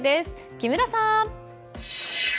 木村さん。